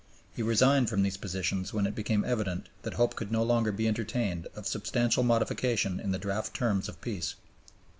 He resigned from these positions when it became evident that hope could no longer be entertained of substantial modification in the draft Terms of Peace.